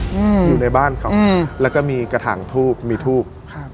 อยู่ในบ้านเขาแล้วก็มีกระถางทูบมีทูบ